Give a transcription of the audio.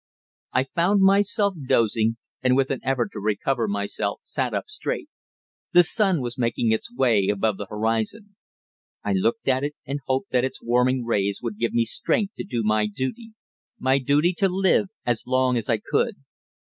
I found myself dozing, and with an effort to recover myself sat up straight. The sun was making its way above the horizon. I looked at it and hoped that its warming rays would give me strength to do my duty my duty to live as long as I could.